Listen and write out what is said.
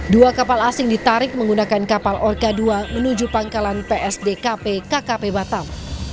dua kapal asing ditarik menggunakan kapal orka dua menuju pangkalan psdkp kkp batam